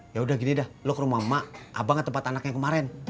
yaudah gini dah lo ke rumah emak abang ke tempat anaknya kemarin